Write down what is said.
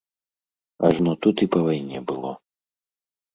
Ажно тут і па вайне было.